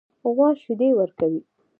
غوا شیدې ورکوي.